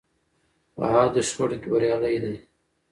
په حادو شخړو کې بریالۍ ده.